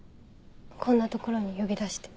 こんな所に呼び出して。